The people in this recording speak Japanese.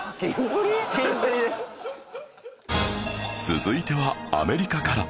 続いてはアメリカから